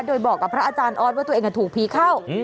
โดยบอกกับพระอาจารย์ออสว่าตัวเองถูกผีเข้า